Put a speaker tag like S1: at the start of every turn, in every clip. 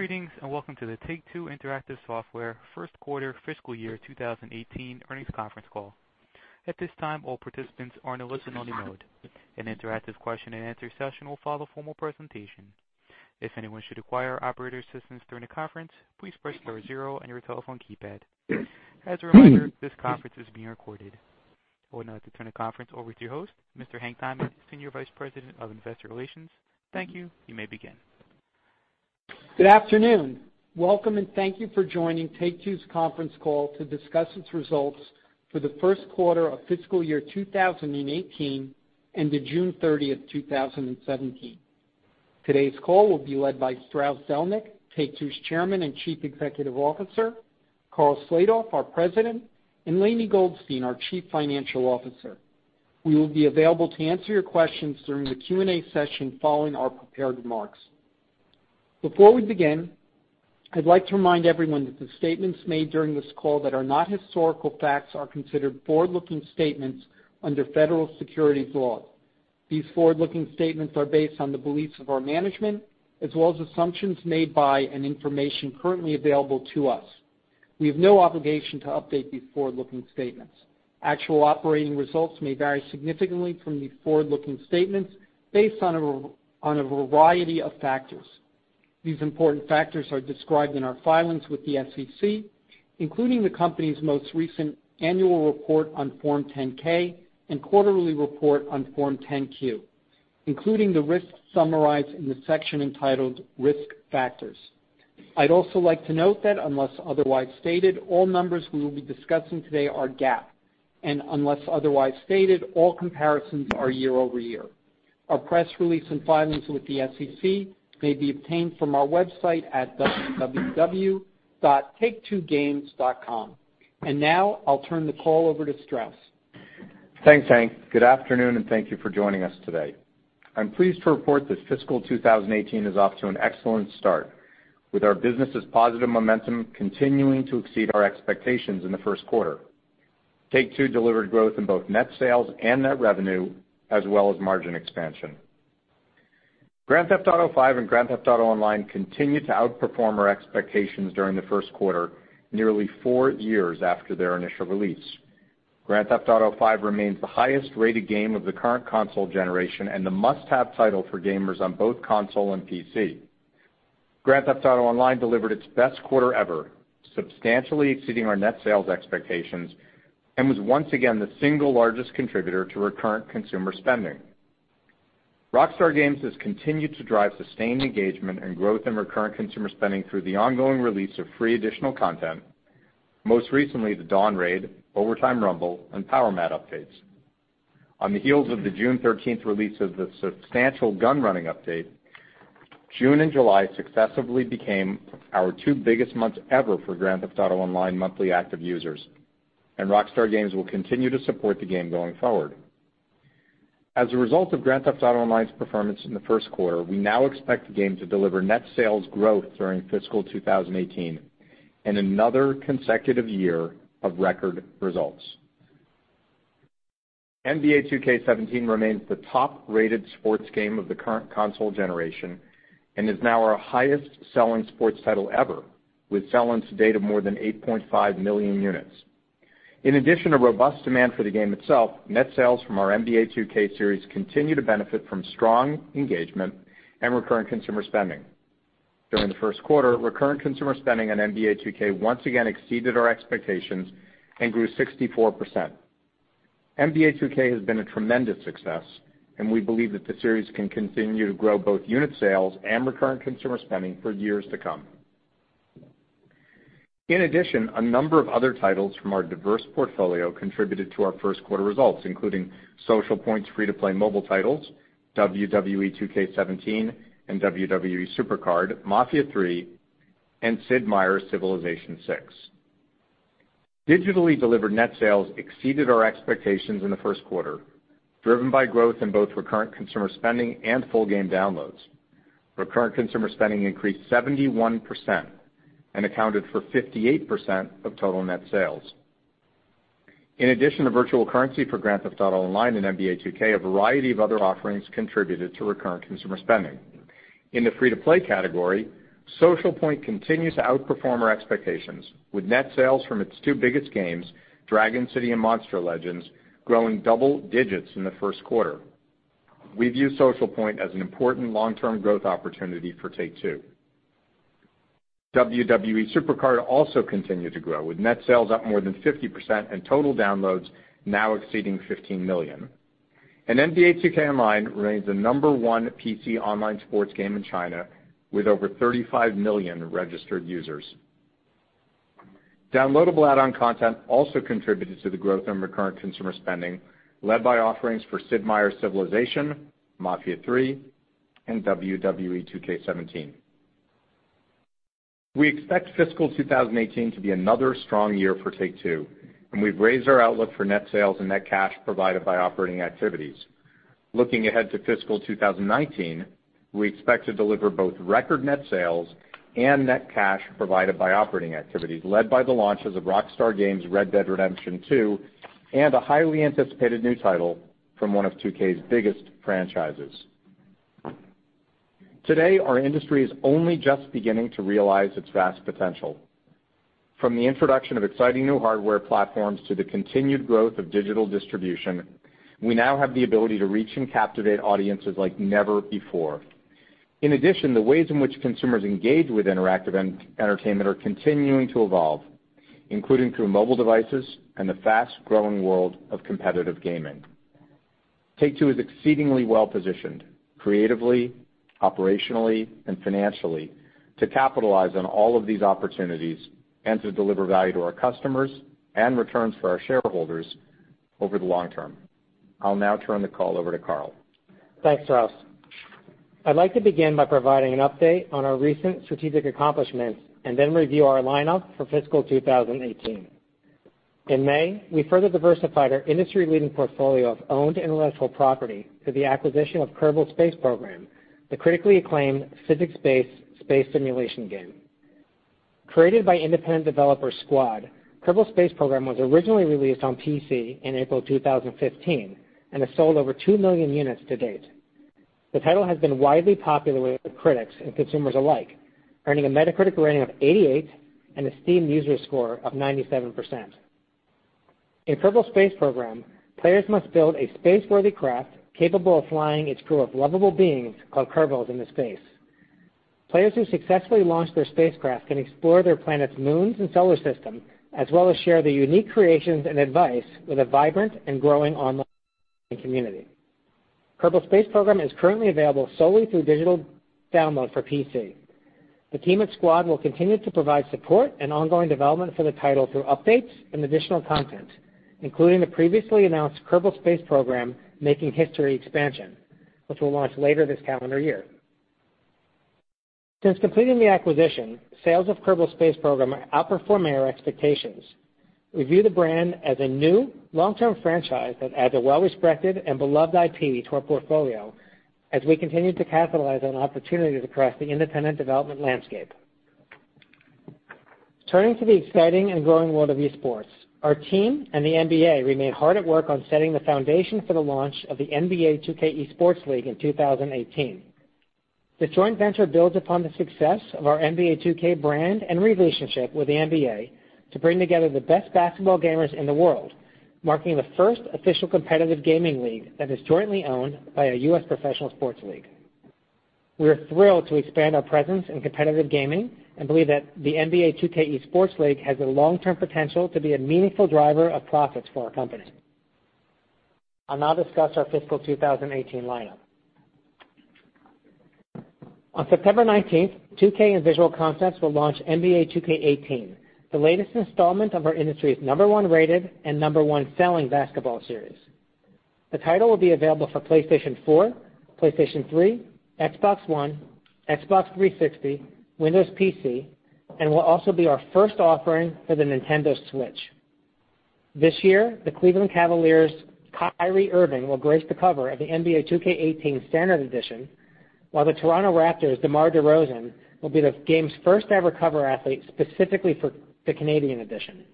S1: Greetings. Welcome to the Take-Two Interactive Software first quarter fiscal year 2018 earnings conference call. At this time, all participants are in a listen-only mode. An interactive question and answer session will follow formal presentation. If anyone should require operator assistance during the conference, please press star zero on your telephone keypad. As a reminder, this conference is being recorded. I would now like to turn the conference over to your host, Mr. Hank Diamond, Senior Vice President of Investor Relations. Thank you. You may begin.
S2: Good afternoon. Welcome. Thank you for joining Take-Two's conference call to discuss its results for the first quarter of fiscal year 2018 ended June 30th, 2017. Today's call will be led by Strauss Zelnick, Take-Two's Chairman and Chief Executive Officer, Karl Slatoff, our President, and Lainie Goldstein, our Chief Financial Officer. We will be available to answer your questions during the Q&A session following our prepared remarks. Before we begin, I'd like to remind everyone that the statements made during this call that are not historical facts are considered forward-looking statements under federal securities laws. These forward-looking statements are based on the beliefs of our management, as well as assumptions made by and information currently available to us. We have no obligation to update these forward-looking statements. Actual operating results may vary significantly from these forward-looking statements based on a variety of factors. These important factors are described in our filings with the SEC, including the company's most recent annual report on Form 10-K and quarterly report on Form 10-Q, including the risks summarized in the section entitled Risk Factors. I'd also like to note that unless otherwise stated, all numbers we will be discussing today are GAAP, and unless otherwise stated, all comparisons are year-over-year. Our press release and filings with the SEC may be obtained from our website at www.taketwogames.com. Now I'll turn the call over to Strauss.
S3: Thanks, Hank. Good afternoon. Thank you for joining us today. I'm pleased to report that fiscal 2018 is off to an excellent start, with our business' positive momentum continuing to exceed our expectations in the first quarter. Take-Two delivered growth in both net sales and net revenue, as well as margin expansion. Grand Theft Auto V and Grand Theft Auto Online continued to outperform our expectations during the first quarter, nearly four years after their initial release. Grand Theft Auto V remains the highest-rated game of the current console generation and the must-have title for gamers on both console and PC. Grand Theft Auto Online delivered its best quarter ever, substantially exceeding our net sales expectations, and was once again the single largest contributor to recurrent consumer spending. Rockstar Games has continued to drive sustained engagement and growth in recurrent consumer spending through the ongoing release of free additional content, most recently the Dawn Raid, Overtime Rumble, and Power Mad updates. On the heels of the June 13th release of the substantial Gunrunning update, June and July successively became our two biggest months ever for Grand Theft Auto Online monthly active users, and Rockstar Games will continue to support the game going forward. As a result of Grand Theft Auto Online's performance in the first quarter, we now expect the game to deliver net sales growth during fiscal 2018 and another consecutive year of record results. NBA 2K17 remains the top-rated sports game of the current console generation and is now our highest-selling sports title ever, with sell-ins to date of more than 8.5 million units. In addition to robust demand for the game itself, net sales from our NBA 2K series continue to benefit from strong engagement and recurrent consumer spending. During the first quarter, recurrent consumer spending on NBA 2K once again exceeded our expectations and grew 64%. NBA 2K has been a tremendous success, and we believe that the series can continue to grow both unit sales and recurrent consumer spending for years to come. In addition, a number of other titles from our diverse portfolio contributed to our first quarter results, including Socialpoint's free-to-play mobile titles, WWE 2K17 and WWE SuperCard, Mafia III, and Sid Meier's Civilization VI. Digitally delivered net sales exceeded our expectations in the first quarter, driven by growth in both recurrent consumer spending and full game downloads. Recurrent consumer spending increased 71% and accounted for 58% of total net sales. In addition to virtual currency for Grand Theft Auto Online and NBA 2K, a variety of other offerings contributed to recurrent consumer spending. In the free-to-play category, Socialpoint continues to outperform our expectations, with net sales from its two biggest games, Dragon City and Monster Legends, growing double digits in the first quarter. We view Socialpoint as an important long-term growth opportunity for Take-Two. WWE SuperCard also continued to grow, with net sales up more than 50% and total downloads now exceeding 15 million. NBA 2K Online remains the number 1 PC online sports game in China, with over 35 million registered users. Downloadable add-on content also contributed to the growth in recurrent consumer spending, led by offerings for Sid Meier's Civilization, Mafia III, and WWE 2K17. We expect fiscal 2018 to be another strong year for Take-Two, and we've raised our outlook for net sales and net cash provided by operating activities. Looking ahead to fiscal 2019, we expect to deliver both record net sales and net cash provided by operating activities led by the launches of Rockstar Games' Red Dead Redemption 2 and a highly anticipated new title from one of 2K's biggest franchises. Today, our industry is only just beginning to realize its vast potential. From the introduction of exciting new hardware platforms to the continued growth of digital distribution, we now have the ability to reach and captivate audiences like never before. In addition, the ways in which consumers engage with interactive entertainment are continuing to evolve, including through mobile devices and the fast-growing world of competitive gaming. Take-Two is exceedingly well-positioned, creatively, operationally, and financially, to capitalize on all of these opportunities and to deliver value to our customers and returns for our shareholders over the long term. I will now turn the call over to Karl.
S4: Thanks, Strauss. I would like to begin by providing an update on our recent strategic accomplishments and then review our lineup for fiscal 2018. In May, we further diversified our industry-leading portfolio of owned intellectual property through the acquisition of Kerbal Space Program, the critically acclaimed physics-based space simulation game. Created by independent developer Squad, Kerbal Space Program was originally released on PC in April 2015 and has sold over 2 million units to date. The title has been widely popular with critics and consumers alike, earning a Metacritic rating of 88 and a Steam user score of 97%. In Kerbal Space Program, players must build a space-worthy craft capable of flying its crew of lovable beings, called Kerbals, into space. Players who successfully launch their spacecraft can explore their planet's moons and solar system, as well as share their unique creations and advice with a vibrant and growing online community. Kerbal Space Program is currently available solely through digital download for PC. The team at Squad will continue to provide support and ongoing development for the title through updates and additional content, including the previously announced Kerbal Space Program: Making History expansion, which will launch later this calendar year. Since completing the acquisition, sales of Kerbal Space Program are outperforming our expectations. We view the brand as a new long-term franchise that adds a well-respected and beloved IP to our portfolio as we continue to capitalize on opportunities across the independent development landscape. Turning to the exciting and growing world of esports, our team and the NBA remain hard at work on setting the foundation for the launch of the NBA 2K League in 2018. This joint venture builds upon the success of our NBA 2K brand and relationship with the NBA to bring together the best basketball gamers in the world, marking the first official competitive gaming league that is jointly owned by a U.S. professional sports league. We are thrilled to expand our presence in competitive gaming and believe that the NBA 2K League has the long-term potential to be a meaningful driver of profits for our company. I will now discuss our fiscal 2018 lineup. On September 19th, 2K and Visual Concepts will launch NBA 2K18, the latest installment of our industry's number 1 rated and number 1 selling basketball series. The title will be available for PlayStation 4, PlayStation 3, Xbox One, Xbox 360, Windows PC, and will also be our first offering for the Nintendo Switch. This year, the Cleveland Cavaliers' Kyrie Irving will grace the cover of the NBA 2K18 Standard Edition, while the Toronto Raptors' DeMar DeRozan will be the game's first-ever cover athlete specifically for the Canadian edition.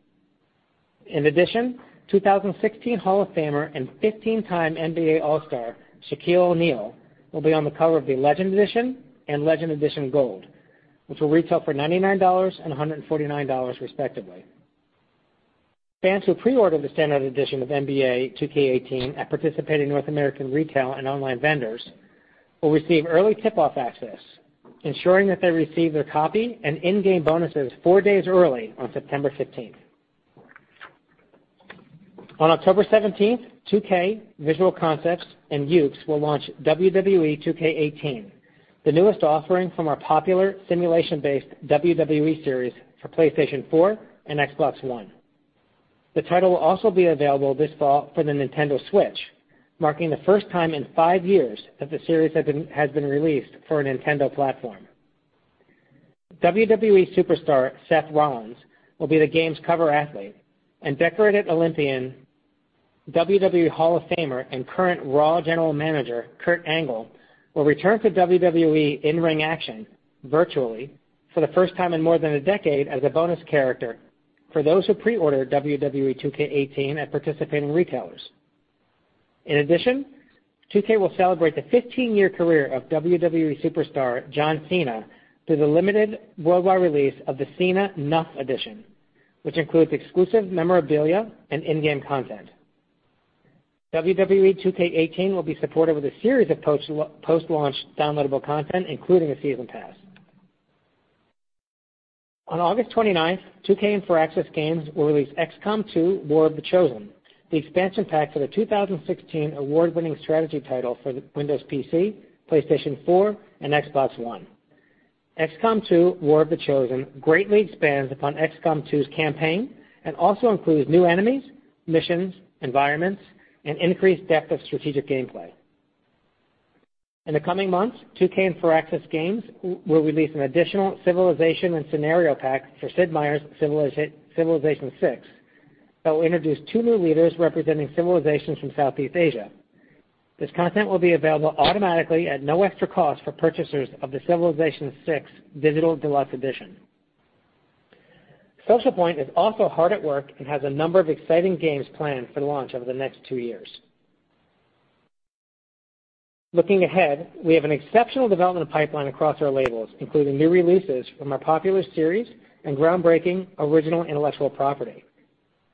S4: In addition, 2016 Hall of Famer and 15-time NBA All-Star, Shaquille O'Neal, will be on the cover of the Legend Edition and Legend Edition Gold, which will retail for $99 and $149 respectively. Fans who pre-order the Standard Edition of NBA 2K18 at participating North American retail and online vendors will receive early tip-off access, ensuring that they receive their copy and in-game bonuses four days early on September 15th. On October 17th, 2K, Visual Concepts, and Yuke's will launch WWE 2K18, the newest offering from our popular simulation-based WWE series for PlayStation 4 and Xbox One. The title will also be available this fall for the Nintendo Switch, marking the first time in five years that the series has been released for a Nintendo platform. WWE superstar Seth Rollins will be the game's cover athlete, and decorated Olympian, WWE Hall of Famer, and current Raw General Manager, Kurt Angle, will return to WWE in-ring action virtually for the first time in more than a decade as a bonus character for those who pre-order WWE 2K18 at participating retailers. In addition, 2K will celebrate the 15-year career of WWE superstar John Cena through the limited worldwide release of the Cena (Nuff) Edition, which includes exclusive memorabilia and in-game content. WWE 2K18 will be supported with a series of post-launch downloadable content, including a season pass. On August 29th, 2K and Firaxis Games will release XCOM 2: War of the Chosen, the expansion pack for the 2016 award-winning strategy title for Windows PC, PlayStation 4, and Xbox One. XCOM 2: War of the Chosen greatly expands upon XCOM 2's campaign and also includes new enemies, missions, environments, and increased depth of strategic gameplay. In the coming months, 2K and Firaxis Games will release an additional civilization and scenario pack for Sid Meier's Civilization VI that will introduce two new leaders representing civilizations from Southeast Asia. This content will be available automatically at no extra cost for purchasers of the Civilization VI Digital Deluxe Edition. Socialpoint is also hard at work and has a number of exciting games planned for launch over the next two years. Looking ahead, we have an exceptional development pipeline across our labels, including new releases from our popular series and groundbreaking original intellectual property.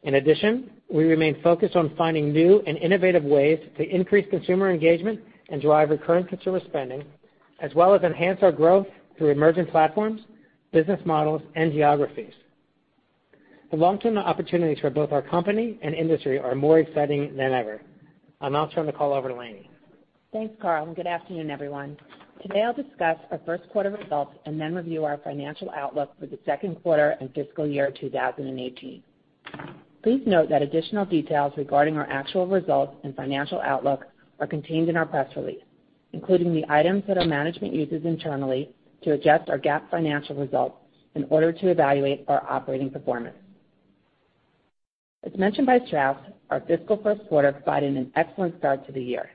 S4: In addition, we remain focused on finding new and innovative ways to increase consumer engagement and drive recurrent consumer spending, as well as enhance our growth through emerging platforms, business models, and geographies. The long-term opportunities for both our company and industry are more exciting than ever. I'll now turn the call over to Lainie.
S5: Thanks, Karl. Good afternoon, everyone. Today, I'll discuss our first quarter results and then review our financial outlook for the second quarter and fiscal year 2018. Please note that additional details regarding our actual results and financial outlook are contained in our press release, including the items that our management uses internally to adjust our GAAP financial results in order to evaluate our operating performance. As mentioned by Strauss, our fiscal first quarter provided an excellent start to the year.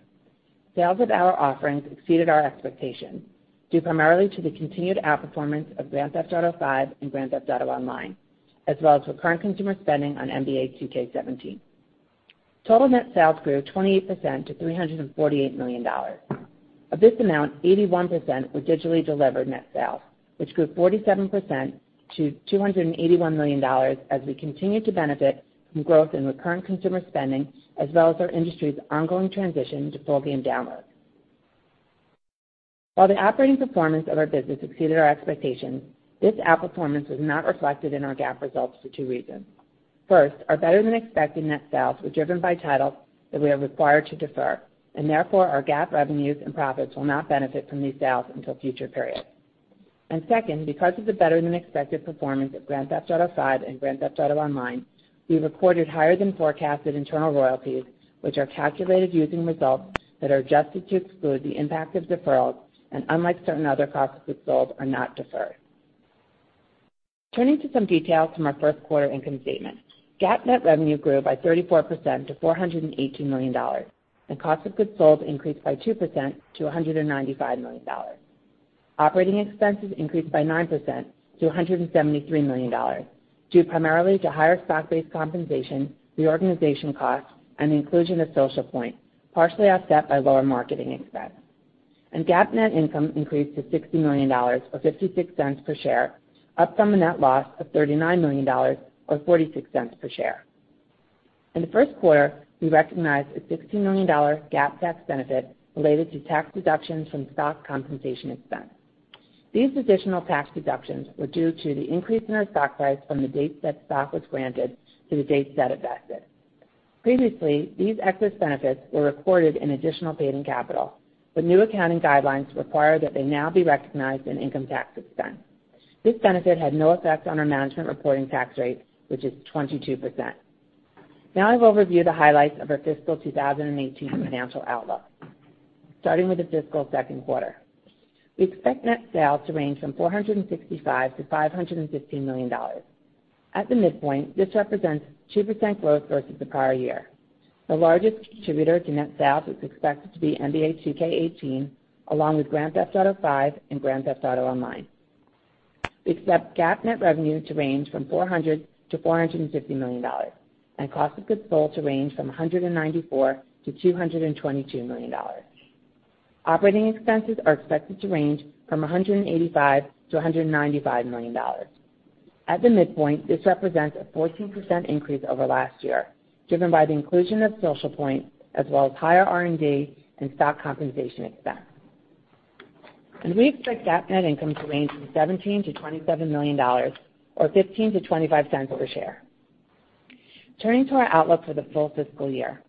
S5: Sales of our offerings exceeded our expectations due primarily to the continued outperformance of Grand Theft Auto V and Grand Theft Auto Online, as well as recurrent consumer spending on NBA 2K17. Total net sales grew 28% to $348 million. Of this amount, 81% were digitally delivered net sales, which grew 47% to $281 million as we continued to benefit from growth in recurrent consumer spending as well as our industry's ongoing transition to full game download. While the operating performance of our business exceeded our expectations, this outperformance was not reflected in our GAAP results for two reasons. First, our better-than-expected net sales were driven by titles that we are required to defer, and therefore, our GAAP revenues and profits will not benefit from these sales until future periods. Second, because of the better-than-expected performance of Grand Theft Auto V and Grand Theft Auto Online, we recorded higher-than-forecasted internal royalties, which are calculated using results that are adjusted to exclude the impact of deferrals, and unlike certain other costs of goods sold, are not deferred. Turning to some details from our first quarter income statement. GAAP net revenue grew by 34% to $418 million, and cost of goods sold increased by 2% to $195 million. Operating expenses increased by 9% to $173 million, due primarily to higher stock-based compensation, reorganization costs, and the inclusion of Social Point, partially offset by lower marketing expense. GAAP net income increased to $60 million, or $0.56 per share, up from a net loss of $39 million or $0.46 per share. In the first quarter, we recognized a $60 million GAAP tax benefit related to tax deductions from stock compensation expense. These additional tax deductions were due to the increase in our stock price from the date that stock was granted to the date that it vested. Previously, these excess benefits were recorded in additional paid-in capital, but new accounting guidelines require that they now be recognized in income tax expense. This benefit had no effect on our management reporting tax rate, which is 22%. Now I will review the highlights of our fiscal 2018 financial outlook. Starting with the fiscal second quarter. We expect net sales to range from $465 to $515 million. At the midpoint, this represents 2% growth versus the prior year. The largest contributor to net sales is expected to be NBA 2K18, along with Grand Theft Auto V and Grand Theft Auto Online. We expect GAAP net revenue to range from $400 to $450 million and cost of goods sold to range from $194 to $222 million. Operating expenses are expected to range from $185 to $195 million. At the midpoint, this represents a 14% increase over last year, driven by the inclusion of Social Point, as well as higher R&D and stock compensation expense. We expect GAAP net income to range from $17 million to $27 million or $0.15 to $0.25 per share. Turning to our outlook for the full fiscal year.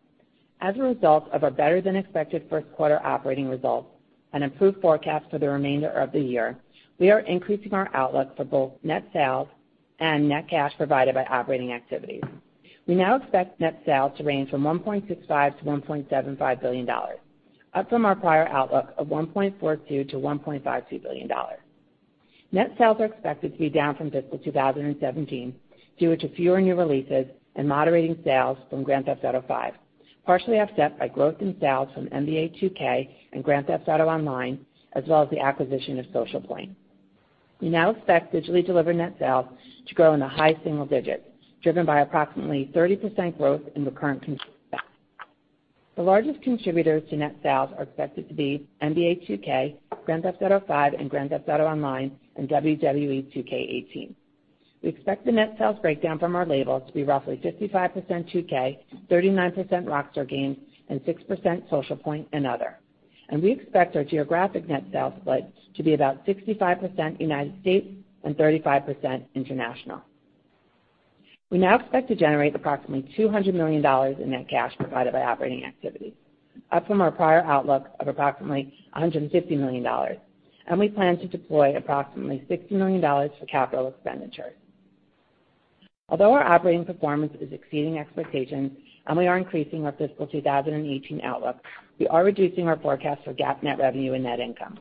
S5: As a result of our better-than-expected first quarter operating results and improved forecast for the remainder of the year, we are increasing our outlook for both net sales and net cash provided by operating activities. We now expect net sales to range from $1.65 billion to $1.75 billion, up from our prior outlook of $1.42 billion to $1.52 billion. Net sales are expected to be down from fiscal 2017 due to fewer new releases and moderating sales from Grand Theft Auto V, partially offset by growth in sales from NBA 2K and Grand Theft Auto Online, as well as the acquisition of Social Point. We now expect digitally delivered net sales to grow in the high single digits, driven by approximately 30% growth in recurrent consumer spend. The largest contributors to net sales are expected to be NBA 2K, Grand Theft Auto V and Grand Theft Auto Online, and WWE 2K18. We expect the net sales breakdown from our labels to be roughly 55% 2K, 39% Rockstar Games, and 6% Social Point and other. We expect our geographic net sales split to be about 65% United States and 35% international. We now expect to generate approximately $200 million in net cash provided by operating activities, up from our prior outlook of approximately $150 million, and we plan to deploy approximately $60 million for capital expenditures. Although our operating performance is exceeding expectations and we are increasing our fiscal 2018 outlook, we are reducing our forecast for GAAP net revenue and net income.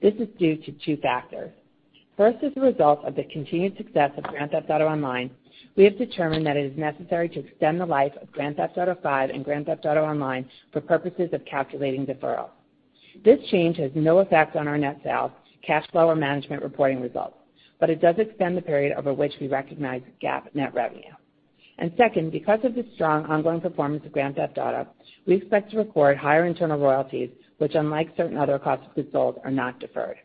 S5: This is due to two factors. First is the result of the continued success of Grand Theft Auto Online, we have determined that it is necessary to extend the life of Grand Theft Auto V and Grand Theft Auto Online for purposes of calculating deferral. This change has no effect on our net sales, cash flow or management reporting results, but it does extend the period over which we recognize GAAP net revenue. Second, because of the strong ongoing performance of "Grand Theft Auto," we expect to record higher internal royalties, which unlike certain other costs of goods sold, are not deferred.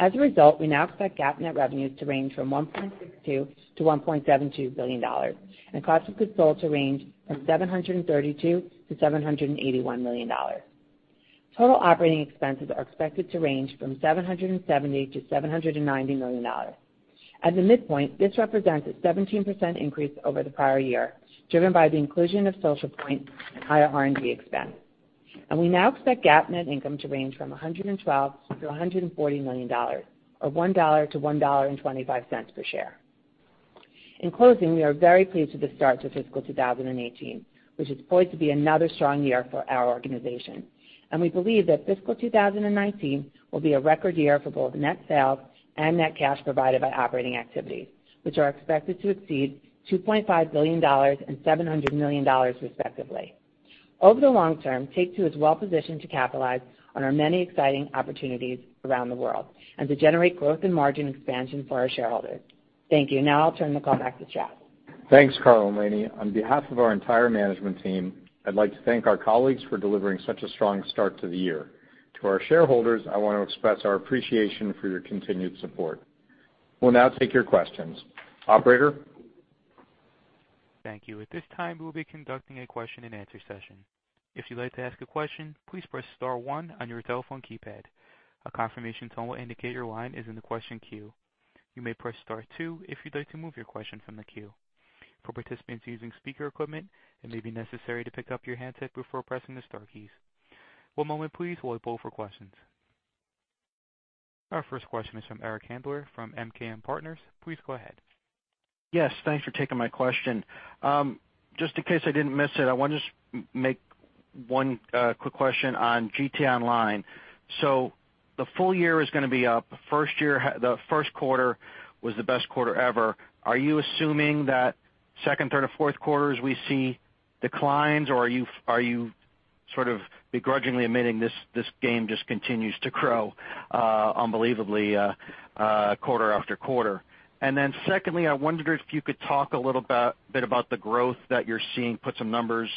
S5: As a result, we now expect GAAP net revenues to range from $1.62 billion to $1.72 billion, and cost of goods sold to range from $732 million to $781 million. Total operating expenses are expected to range from $770 million to $790 million. At the midpoint, this represents a 17% increase over the prior year, driven by the inclusion of Social Point and higher R&D expense. We now expect GAAP net income to range from $112 million to $140 million, or $1 to $1.25 per share. In closing, we are very pleased with the start to fiscal 2018, which is poised to be another strong year for our organization. We believe that fiscal 2019 will be a record year for both net sales and net cash provided by operating activities, which are expected to exceed $2.5 billion and $700 million respectively. Over the long term, Take-Two is well-positioned to capitalize on our many exciting opportunities around the world and to generate growth and margin expansion for our shareholders. Thank you. Now I'll turn the call back to Strauss.
S3: Thanks, Karl, Lainie. On behalf of our entire management team, I'd like to thank our colleagues for delivering such a strong start to the year. To our shareholders, I want to express our appreciation for your continued support. We'll now take your questions. Operator?
S1: Thank you. At this time, we'll be conducting a question and answer session. If you'd like to ask a question, please press star one on your telephone keypad. A confirmation tone will indicate your line is in the question queue. You may press star two if you'd like to move your question from the queue. For participants using speaker equipment, it may be necessary to pick up your handset before pressing the star keys. One moment please while we poll for questions. Our first question is from Eric Handler from MKM Partners. Please go ahead.
S6: Yes, thanks for taking my question. Just in case I didn't miss it, I want to just make one quick question on GTA Online. The full year is going to be up. The first quarter was the best quarter ever. Are you assuming that second, third, and fourth quarters, we see declines, or are you sort of begrudgingly admitting this game just continues to grow unbelievably quarter after quarter? Secondly, I wondered if you could talk a little bit about the growth that you're seeing, provide some numbers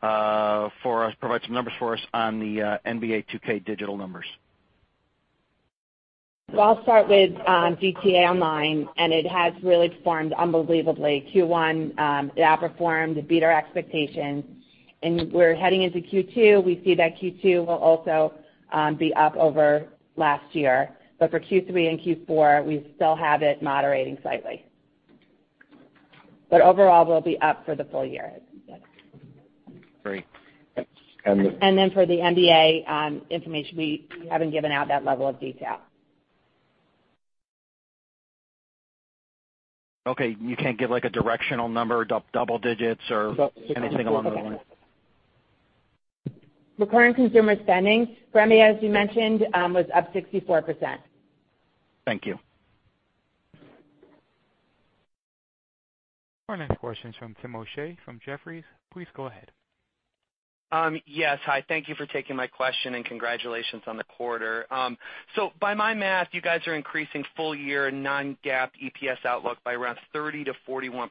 S6: for us on the NBA 2K digital numbers.
S5: Well, I'll start with GTA Online, and it has really performed unbelievably. Q1, it outperformed, it beat our expectations, and we're heading into Q2. We see that Q2 will also be up over last year. For Q3 and Q4, we still have it moderating slightly. Overall, we'll be up for the full year.
S6: Great.
S5: For the NBA information, we haven't given out that level of detail.
S6: Okay, you can't give a directional number, double digits or anything along those lines?
S5: Recurring consumer spending for NBA, as you mentioned, was up 64%.
S6: Thank you.
S1: Our next question is from Timothy O'Shea from Jefferies. Please go ahead.
S7: Yes, hi. Thank you for taking my question, and congratulations on the quarter. By my math, you guys are increasing full year non-GAAP EPS outlook by around 30%-41%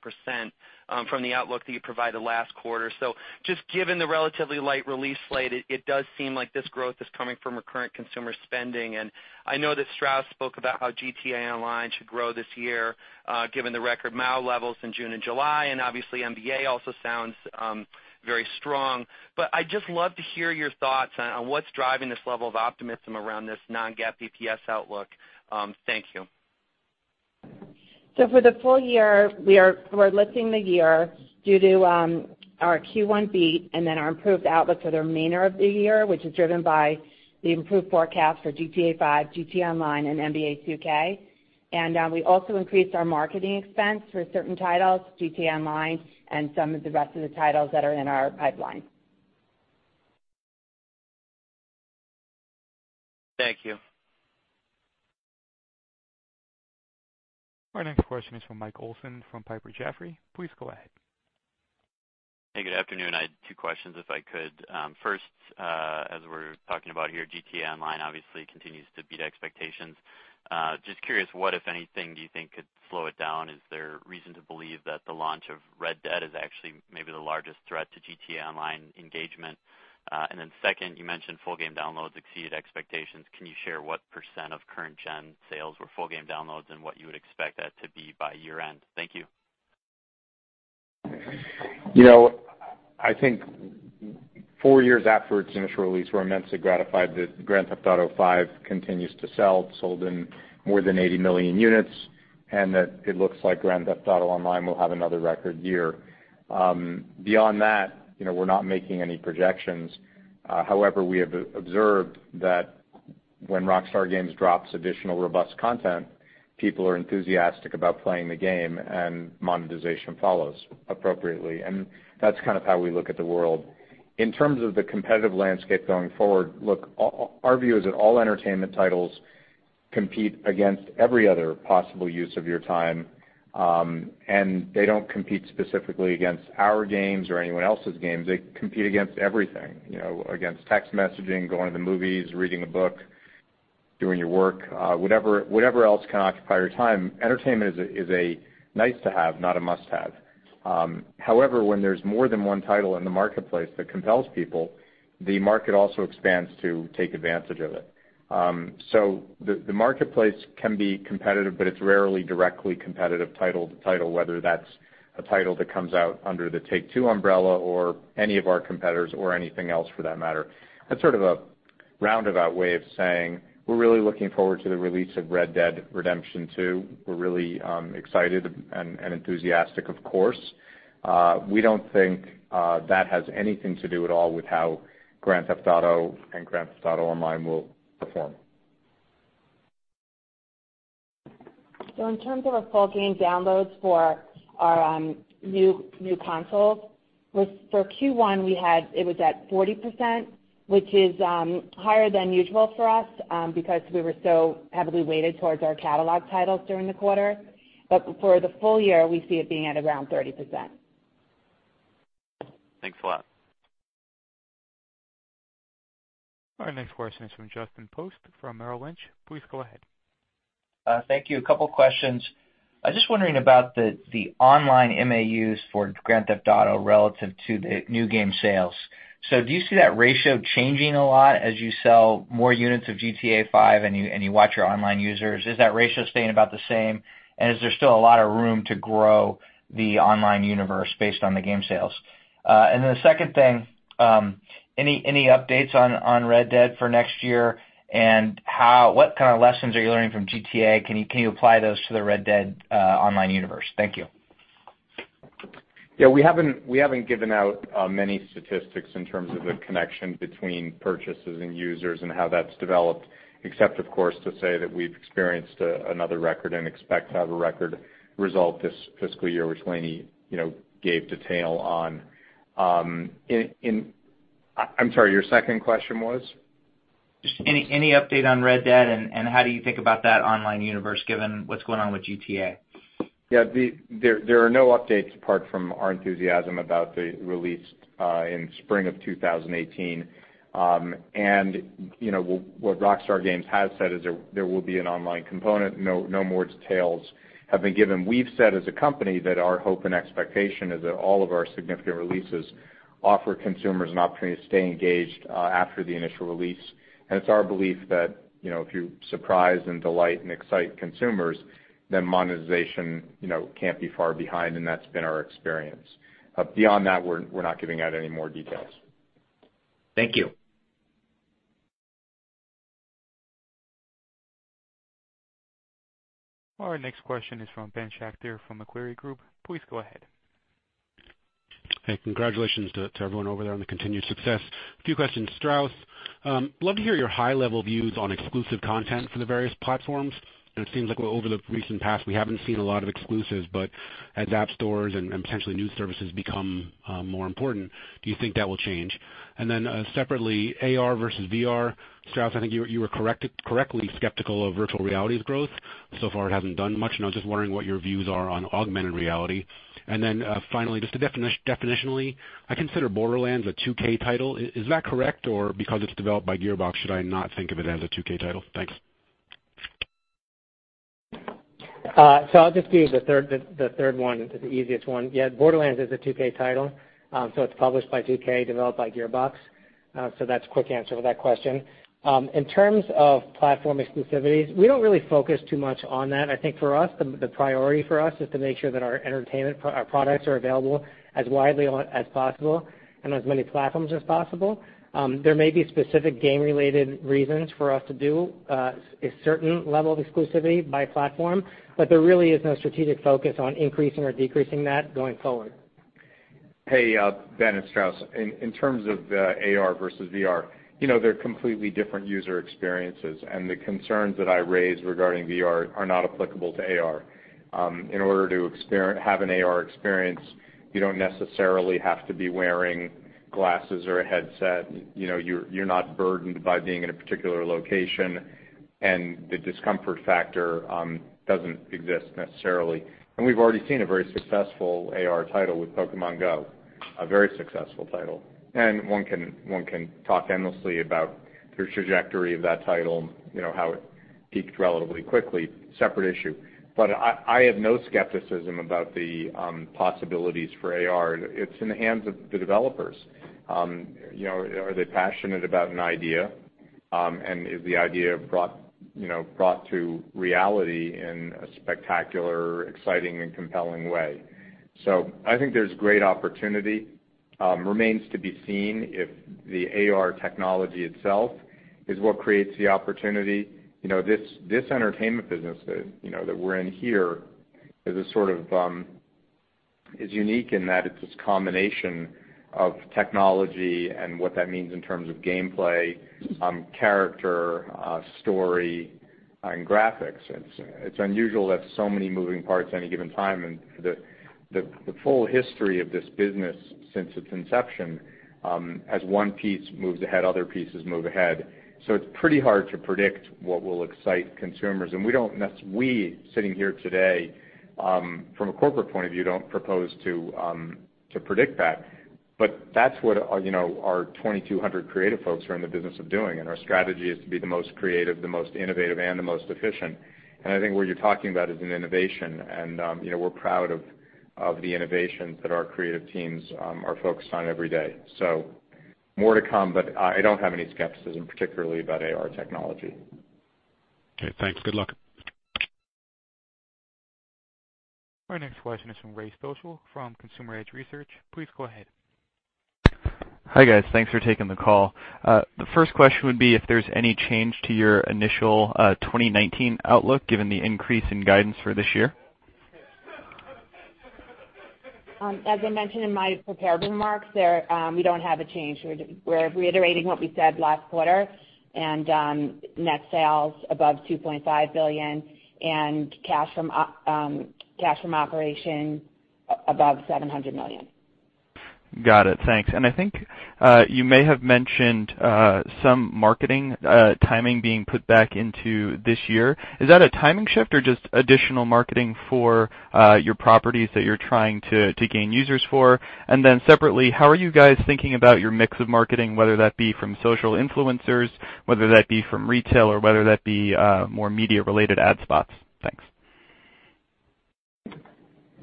S7: from the outlook that you provided last quarter. Given the relatively light release slate, it does seem like this growth is coming from a current consumer spending. I know that Strauss spoke about how GTA Online should grow this year given the record MAU levels in June and July, and obviously NBA also sounds very strong. I'd just love to hear your thoughts on what's driving this level of optimism around this non-GAAP EPS outlook. Thank you.
S5: For the full year, we're lifting the year due to our Q1 beat and our improved outlook for the remainder of the year, which is driven by the improved forecast for GTA V, GTA Online, and NBA 2K. We also increased our marketing expense for certain titles, GTA Online and some of the rest of the titles that are in our pipeline.
S7: Thank you.
S1: Our next question is from Michael Olson from Piper Jaffray. Please go ahead.
S8: Hey, good afternoon. I had two questions, if I could. First, as we're talking about here, GTA Online obviously continues to beat expectations. Just curious, what, if anything, do you think could slow it down? Is there reason to believe that the launch of Red Dead is actually maybe the largest threat to GTA Online engagement? Second, you mentioned full game downloads exceeded expectations. Can you share what % of current gen sales were full game downloads and what you would expect that to be by year-end? Thank you.
S3: I think 4 years after its initial release, we're immensely gratified that Grand Theft Auto V continues to sell. It sold in more than 80 million units, it looks like Grand Theft Auto Online will have another record year. Beyond that, we're not making any projections. However, we have observed that when Rockstar Games drops additional robust content, people are enthusiastic about playing the game, monetization follows appropriately. That's kind of how we look at the world. In terms of the competitive landscape going forward, look, our view is that all entertainment titles compete against every other possible use of your time. They don't compete specifically against our games or anyone else's games. They compete against everything, against text messaging, going to the movies, reading a book, doing your work, whatever else can occupy your time. Entertainment is a nice to have, not a must-have. However, when there's more than one title in the marketplace that compels people, the market also expands to take advantage of it. The marketplace can be competitive, but it's rarely directly competitive title to title, whether that's a title that comes out under the Take-Two umbrella or any of our competitors or anything else for that matter. That's sort of a roundabout way of saying we're really looking forward to the release of Red Dead Redemption 2. We're really excited and enthusiastic, of course. We don't think that has anything to do at all with how Grand Theft Auto and Grand Theft Auto Online will perform.
S5: In terms of our full game downloads for our new consoles, for Q1, it was at 40%, which is higher than usual for us because we were so heavily weighted towards our catalog titles during the quarter. For the full year, we see it being at around 30%.
S8: Thanks a lot.
S1: Our next question is from Justin Post from Merrill Lynch. Please go ahead.
S9: Thank you. A couple of questions. Just wondering about the online MAUs for Grand Theft Auto relative to the new game sales. Do you see that ratio changing a lot as you sell more units of Grand Theft Auto V and you watch your online users? Is that ratio staying about the same? Is there still a lot of room to grow the online universe based on the game sales? The second thing, any updates on Red Dead for next year, and what kind of lessons are you learning from Grand Theft Auto? Can you apply those to the Red Dead online universe? Thank you.
S3: Yeah, we haven't given out many statistics in terms of the connection between purchases and users and how that's developed, except, of course, to say that we've experienced another record and expect to have a record result this fiscal year, which Lainie gave detail on. I'm sorry, your second question was?
S9: Just any update on Red Dead and how do you think about that online universe, given what's going on with GTA?
S3: Yeah, there are no updates apart from our enthusiasm about the release in spring of 2018. What Rockstar Games has said is there will be an online component. No more details have been given. We've said as a company that our hope and expectation is that all of our significant releases offer consumers an opportunity to stay engaged after the initial release. It's our belief that if you surprise and delight and excite consumers, then monetization can't be far behind, and that's been our experience. Beyond that, we're not giving out any more details.
S9: Thank you.
S1: Our next question is from Ben Schachter from Macquarie Group. Please go ahead.
S10: Hey, congratulations to everyone over there on the continued success. A few questions to Strauss. Love to hear your high-level views on exclusive content for the various platforms. It seems like over the recent past, we haven't seen a lot of exclusives, but as app stores and potentially new services become more important, do you think that will change? Separately, AR versus VR, Strauss, I think you were correctly skeptical of virtual reality's growth. So far, it hasn't done much, and I was just wondering what your views are on augmented reality. Finally, just definitionally, I consider Borderlands a 2K title. Is that correct? Or because it's developed by Gearbox, should I not think of it as a 2K title? Thanks.
S4: I'll just do the third one, the easiest one. Yeah, Borderlands is a 2K title, it's published by 2K, developed by Gearbox. That's the quick answer to that question. In terms of platform exclusivities, we don't really focus too much on that. I think for us, the priority for us is to make sure that our entertainment products are available as widely as possible and as many platforms as possible. There may be specific game-related reasons for us to do a certain level of exclusivity by platform, but there really is no strategic focus on increasing or decreasing that going forward.
S3: Hey, Ben, its Strauss, in terms of AR versus VR, they're completely different user experiences, the concerns that I raised regarding VR are not applicable to AR. In order to have an AR experience, you don't necessarily have to be wearing glasses or a headset. You're not burdened by being in a particular location, the discomfort factor doesn't exist necessarily. We've already seen a very successful AR title with Pokémon Go, a very successful title. One can talk endlessly about the trajectory of that title, how it peaked relatively quickly, separate issue. I have no skepticism about the possibilities for AR. It's in the hands of the developers. Are they passionate about an idea? Is the idea brought to reality in a spectacular, exciting, and compelling way? I think there's great opportunity. Remains to be seen if the AR technology itself is what creates the opportunity. This entertainment business that we're in here is unique in that it's this combination of technology and what that means in terms of gameplay, character, story, and graphics. It's unusual to have so many moving parts at any given time, and the full history of this business since its inception, as one piece moves ahead, other pieces move ahead. It's pretty hard to predict what will excite consumers. We, sitting here today from a corporate point of view, don't propose to predict that. That's what our 2,200 creative folks are in the business of doing, and our strategy is to be the most creative, the most innovative, and the most efficient. I think what you're talking about is an innovation, and we're proud of the innovations that our creative teams are focused on every day. More to come, but I don't have any skepticism, particularly about AR technology.
S10: Okay, thanks. Good luck.
S1: Our next question is from Raymond Stochel from Consumer Edge Research. Please go ahead.
S11: Hi, guys. Thanks for taking the call. The first question would be if there's any change to your initial 2019 outlook, given the increase in guidance for this year.
S5: As I mentioned in my prepared remarks, we don't have a change. We're reiterating what we said last quarter, net sales above $2.5 billion and cash from operation above $700 million.
S11: Got it. Thanks. I think you may have mentioned some marketing timing being put back into this year. Is that a timing shift or just additional marketing for your properties that you're trying to gain users for? Separately, how are you guys thinking about your mix of marketing, whether that be from social influencers, whether that be from retail, or whether that be more media related ad spots? Thanks.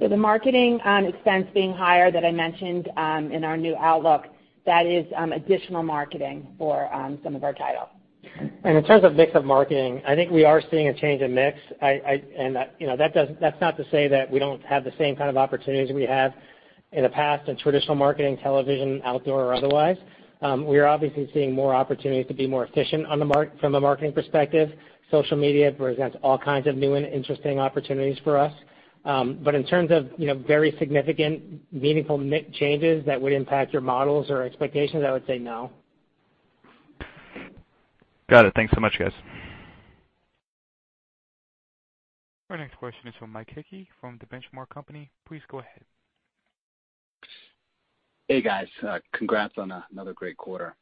S5: The marketing expense being higher that I mentioned in our new outlook, that is additional marketing for some of our titles.
S4: In terms of mix of marketing, I think we are seeing a change in mix. That's not to say that we don't have the same kind of opportunities we have in the past in traditional marketing, television, outdoor or otherwise. We are obviously seeing more opportunities to be more efficient from a marketing perspective. Social media presents all kinds of new and interesting opportunities for us. In terms of very significant, meaningful mix changes that would impact your models or expectations, I would say no.
S11: Got it. Thanks so much, guys.
S1: Our next question is from Mike Hickey from The Benchmark Company. Please go ahead.
S12: Hey, guys. Congrats on another great quarter.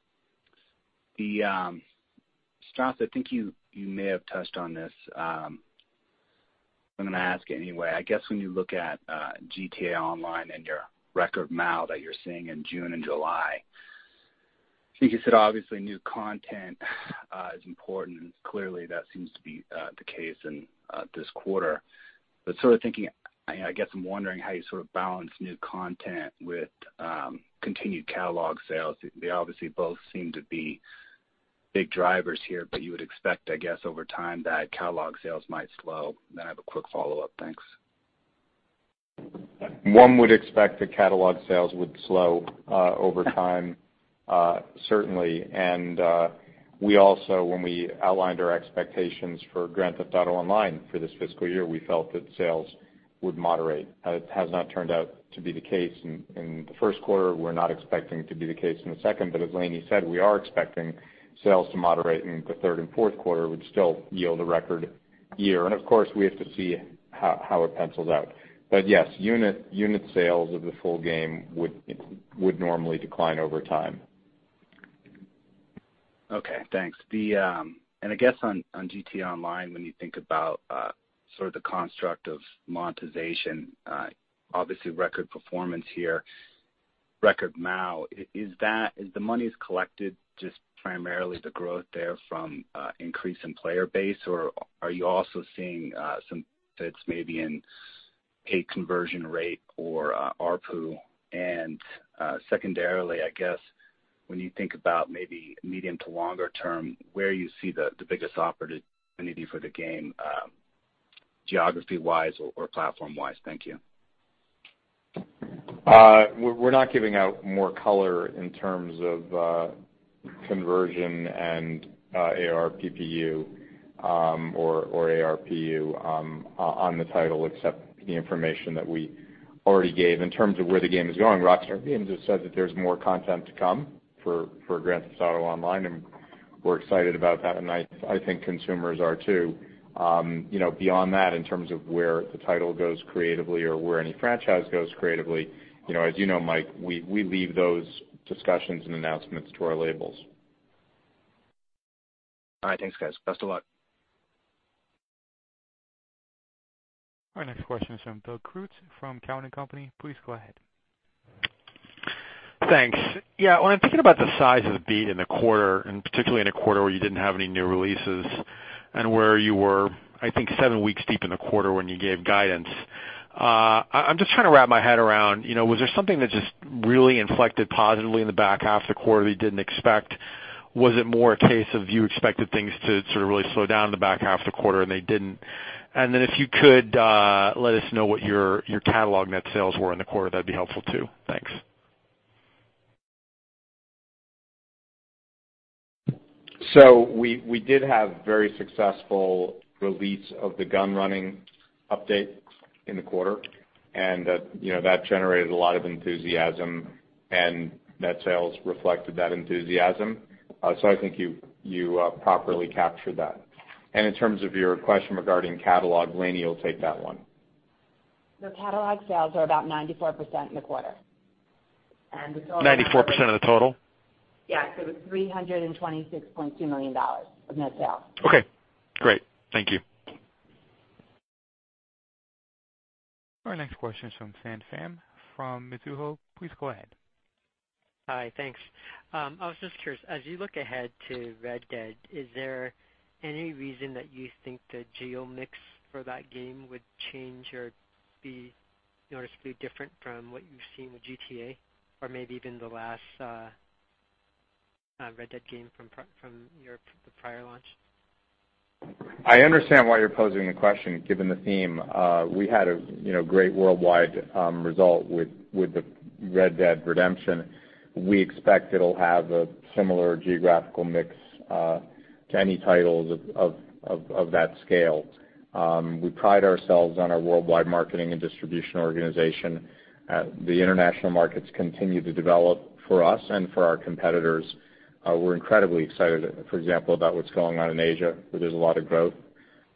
S12: Strauss, I think you may have touched on this. I'm going to ask anyway. I guess when you look at GTA Online and your record MAU that you're seeing in June and July, I think you said, obviously, new content is important, and clearly, that seems to be the case in this quarter. Sort of thinking, I guess I'm wondering how you sort of balance new content with continued catalog sales. They obviously both seem to be big drivers here, you would expect, I guess, over time that catalog sales might slow. Then I have a quick follow-up. Thanks.
S3: One would expect the catalog sales would slow over time, certainly. We also, when we outlined our expectations for Grand Theft Auto Online for this fiscal year, we felt that sales would moderate. It has not turned out to be the case in the first quarter. We're not expecting it to be the case in the second, but as Lainie said, we are expecting sales to moderate in the third and fourth quarter, which still yield a record year. Of course, we have to see how it pencils out. Yes, unit sales of the full game would normally decline over time.
S12: Okay, thanks. I guess on GTA Online, when you think about sort of the construct of monetization, obviously record performance here, record MAU, is the monies collected just primarily the growth there from increase in player base, or are you also seeing some fits maybe in paid conversion rate or ARPU? Secondarily, I guess when you think about maybe medium-to-longer-term, where you see the biggest opportunity for the game geography-wise or platform-wise? Thank you.
S3: We're not giving out more color in terms of conversion and ARPPU on the title except the information that we already gave. In terms of where the game is going, Rockstar Games have said that there's more content to come for Grand Theft Auto Online, we're excited about that, I think consumers are too. Beyond that, in terms of where the title goes creatively or where any franchise goes creatively, as you know Mike, we leave those discussions and announcements to our labels.
S12: All right, thanks, guys. Best of luck.
S1: Our next question is from Doug Creutz from Cowen and Company. Please go ahead.
S13: Thanks. Yeah, when I'm thinking about the size of the beat in the quarter, particularly in a quarter where you didn't have any new releases and where you were, I think, seven weeks deep in the quarter when you gave guidance, I'm just trying to wrap my head around, was there something that just really inflected positively in the back half of the quarter that you didn't expect? Was it more a case of you expected things to sort of really slow down in the back half of the quarter, and they didn't? Then if you could let us know what your catalog net sales were in the quarter, that'd be helpful too. Thanks.
S3: We did have very successful release of the Gunrunning update in the quarter, and that generated a lot of enthusiasm, and net sales reflected that enthusiasm. I think you properly captured that. In terms of your question regarding catalog, Lainie will take that one.
S5: The catalog sales are about 94% in the quarter.
S13: 94% of the total?
S5: Yeah. It was $326.2 million of net sales.
S13: Okay, great. Thank you.
S1: Our next question is from Sanjit Singh from Mizuho. Please go ahead.
S14: Hi, thanks. I was just curious, as you look ahead to Red Dead, is there any reason that you think the geo mix for that game would change or be noticeably different from what you've seen with GTA? Or maybe even the last Red Dead game from the prior launch?
S3: I understand why you're posing the question, given the theme. We had a great worldwide result with the Red Dead Redemption. We expect it'll have a similar geographical mix to any titles of that scale. We pride ourselves on our worldwide marketing and distribution organization. The international markets continue to develop for us and for our competitors. We're incredibly excited, for example, about what's going on in Asia, where there's a lot of growth.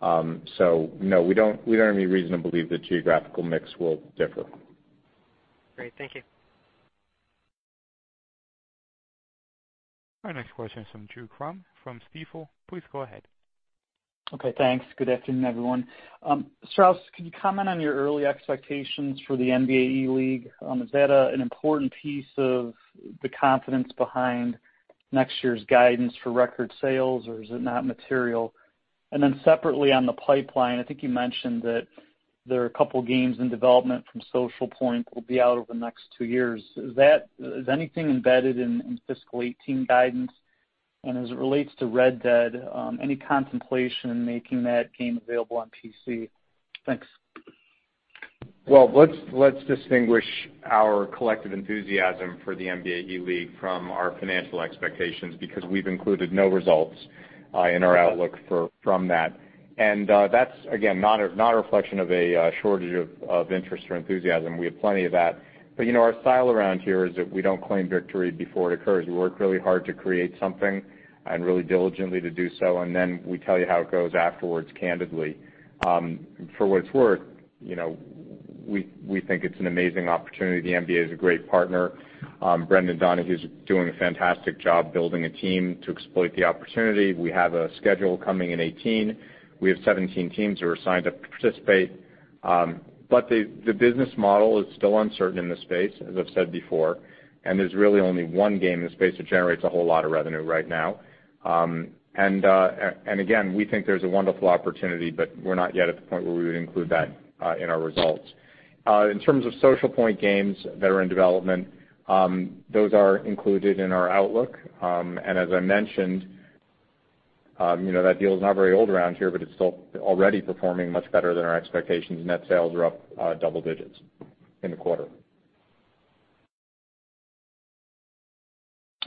S3: No, we don't have any reason to believe the geographical mix will differ.
S14: Great. Thank you.
S1: Our next question is from Drew Crum from Stifel. Please go ahead.
S15: Okay, thanks. Good afternoon, everyone. Strauss, can you comment on your early expectations for the NBA 2K League? Is that an important piece of the confidence behind next year's guidance for record sales, or is it not material? Separately on the pipeline, I think you mentioned that there are a couple of games in development from Socialpoint that will be out over the next two years. Is anything embedded in fiscal 2018 guidance? As it relates to Red Dead, any contemplation in making that game available on PC? Thanks.
S3: Let's distinguish our collective enthusiasm for the NBA 2K League from our financial expectations, because we've included no results in our outlook from that. That's, again, not a reflection of a shortage of interest or enthusiasm. We have plenty of that. Our style around here is that we don't claim victory before it occurs. We work really hard to create something and really diligently to do so, we tell you how it goes afterwards, candidly. For what it's worth, we think it's an amazing opportunity. The NBA is a great partner. Brendan Donohue's doing a fantastic job building a team to exploit the opportunity. We have a schedule coming in 2018. We have 17 teams who are signed up to participate. The business model is still uncertain in this space, as I've said before, there's really only one game in the space that generates a whole lot of revenue right now. Again, we think there's a wonderful opportunity, we're not yet at the point where we would include that in our results. In terms of Socialpoint games that are in development, those are included in our outlook. As I mentioned, that deal is not very old around here, it's already performing much better than our expectations. Net sales are up double digits in the quarter.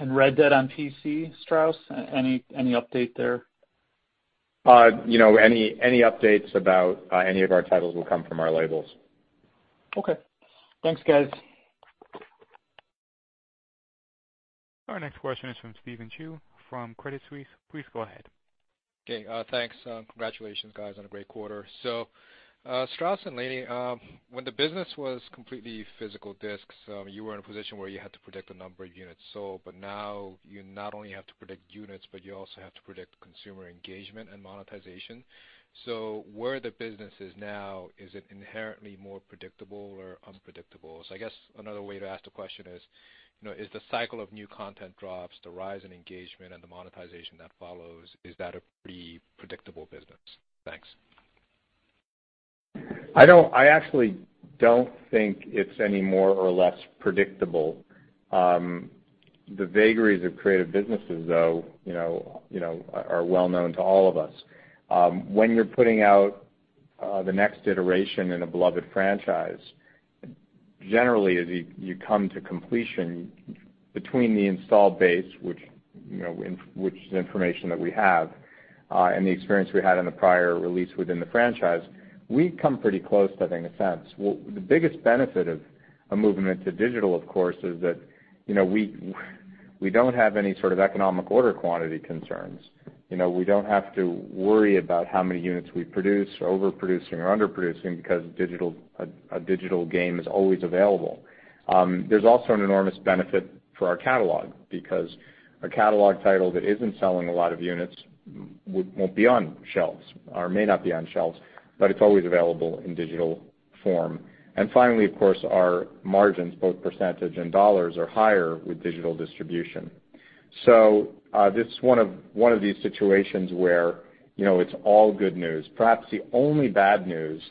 S15: Red Dead on PC, Strauss, any update there?
S3: Any updates about any of our titles will come from our labels.
S15: Okay. Thanks, guys.
S1: Our next question is from Stephen Ju from Credit Suisse. Please go ahead.
S16: Okay, thanks. Congratulations, guys, on a great quarter. Strauss and Lainie, when the business was completely physical disks, you were in a position where you had to predict the number of units sold, but now you not only have to predict units, but you also have to predict consumer engagement and monetization. Where the business is now, is it inherently more predictable or unpredictable? I guess another way to ask the question is the cycle of new content drops, the rise in engagement and the monetization that follows, is that a pretty predictable business? Thanks.
S3: I actually don't think it's any more or less predictable. The vagaries of creative businesses, though, are well known to all of us. When you're putting out the next iteration in a beloved franchise, generally, as you come to completion between the install base, which is information that we have, and the experience we had in the prior release within the franchise, we come pretty close to having a sense. The biggest benefit of a movement to digital, of course, is that we don't have any sort of economic order quantity concerns. We don't have to worry about how many units we produce, overproducing or underproducing, because a digital game is always available. There's also an enormous benefit for our catalog because a catalog title that isn't selling a lot of units won't be on shelves or may not be on shelves, but it's always available in digital form. Finally, of course, our margins, both % and $, are higher with digital distribution. This is one of these situations where it's all good news. Perhaps the only bad news,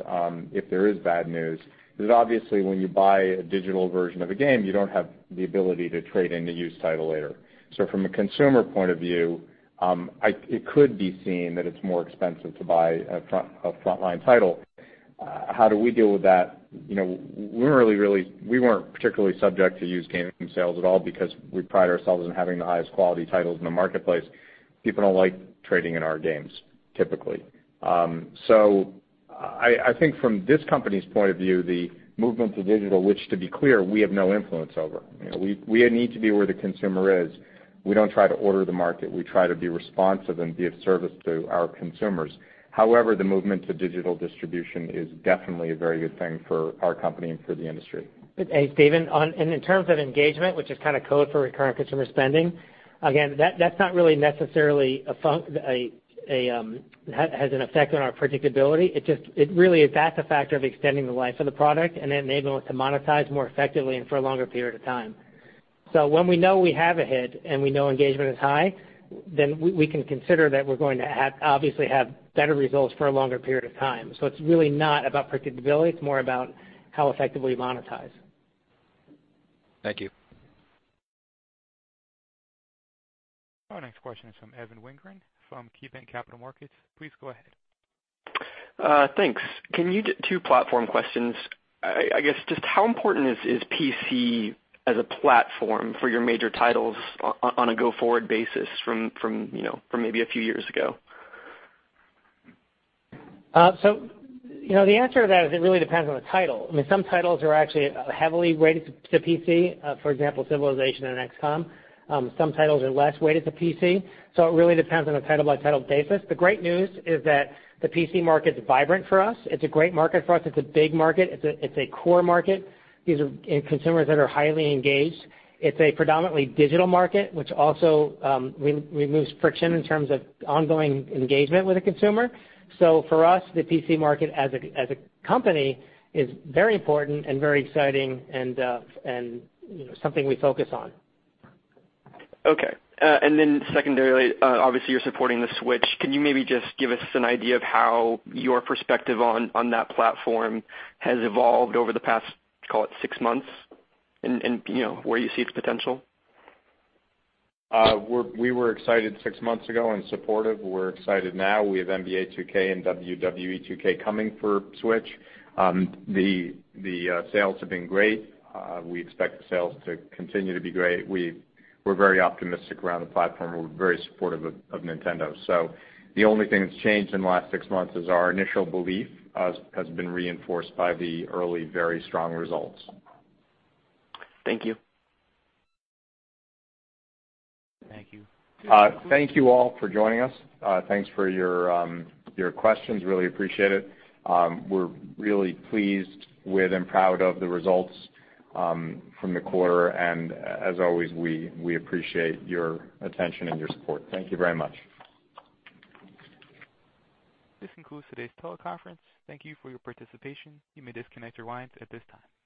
S3: if there is bad news, is obviously when you buy a digital version of a game, you don't have the ability to trade in the used title later. From a consumer point of view, it could be seen that it's more expensive to buy a frontline title. How do we deal with that? We weren't particularly subject to used gaming sales at all because we pride ourselves in having the highest quality titles in the marketplace. People don't like trading in our games, typically. I think from this company's point of view, the movement to digital, which to be clear, we have no influence over. We need to be where the consumer is. We don't try to order the market. We try to be responsive and be of service to our consumers. However, the movement to digital distribution is definitely a very good thing for our company and for the industry.
S4: Hey, Stephen, in terms of engagement, which is kind of code for recurrent consumer spending, again, that's not really necessarily has an effect on our predictability. It really is that's a factor of extending the life of the product and enabling us to monetize more effectively and for a longer period of time. When we know we have a hit and we know engagement is high, then we can consider that we're going to obviously have better results for a longer period of time. It's really not about predictability, it's more about how effectively we monetize.
S16: Thank you.
S1: Our next question is from Evan Wingren from KeyBanc Capital Markets. Please go ahead.
S17: Thanks. Two platform questions. I guess, just how important is PC as a platform for your major titles on a go-forward basis from maybe a few years ago?
S4: The answer to that is it really depends on the title. Some titles are actually heavily weighted to PC, for example, Civilization and XCOM. Some titles are less weighted to PC. It really depends on a title-by-title basis. The great news is that the PC market's vibrant for us. It's a great market for us. It's a big market. It's a core market. These are consumers that are highly engaged. It's a predominantly digital market, which also removes friction in terms of ongoing engagement with a consumer. For us, the PC market as a company is very important and very exciting, and something we focus on.
S17: Okay. Secondarily, obviously you're supporting the Switch. Can you maybe just give us an idea of how your perspective on that platform has evolved over the past, call it six months, and where you see its potential?
S3: We were excited six months ago and supportive. We're excited now. We have NBA 2K and WWE 2K coming for Switch. The sales have been great. We expect the sales to continue to be great. We're very optimistic around the platform. We're very supportive of Nintendo. The only thing that's changed in the last six months is our initial belief has been reinforced by the early, very strong results.
S17: Thank you.
S1: Thank you.
S3: Thank you all for joining us. Thanks for your questions, really appreciate it. We're really pleased with and proud of the results from the quarter. As always, we appreciate your attention and your support. Thank you very much.
S1: This concludes today's teleconference. Thank you for your participation. You may disconnect your lines at this time.